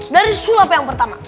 dari sulap yang pertama